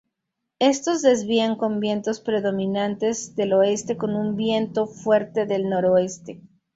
Estos desvían con vientos predominantes del oeste con un viento fuerte del noroeste.